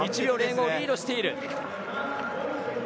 １秒０５リードしている。